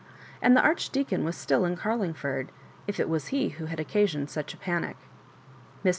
And the Archdeacon was still in Carlingford, if it was he who had occasioned such a panic. Mr.